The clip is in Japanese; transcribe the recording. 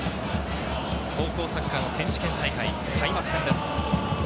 高校サッカーの選手権大会、開幕戦です。